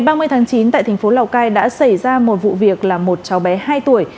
ngày ba mươi tháng chín tại thành phố lào cai đã xảy ra một vụ việc là một cháu bé hai tuổi